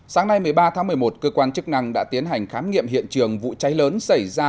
sáng nay một mươi ba tháng một mươi một cơ quan chức năng đã tiến hành khám nghiệm hiện trường vụ cháy lớn xảy ra